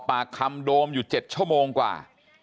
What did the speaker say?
ปากคำโดมอยู่๗ชั่วโมงกว่า